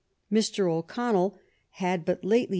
Mr. O'Connell had but lately